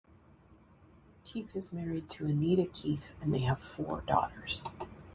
Keith is married to Anita Keith and they have four daughters.